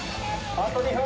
あと２分！